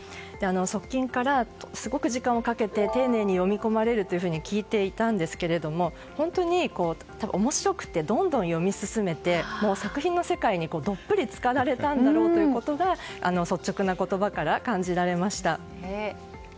側近からすごく時間をかけて丁寧に読み込まれると聞いていたんですが本当に面白くてどんどん読み進めて作品の世界にどっぷり浸かられたんだろうということが率直な言葉から感じられました。